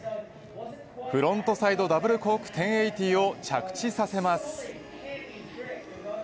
フロントサイドダブルコーク１０８０を着地させます。